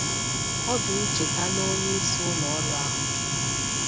Ọ dị ncheta na onyeisi ụlọọrụ ahụ